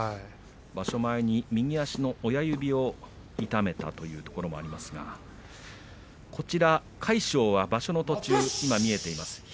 場所前に右足の親指を痛めたというところもありますが魁勝は場所の途中、今見えています